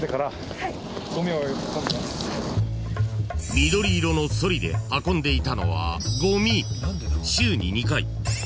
［緑色のソリで運んでいたのは］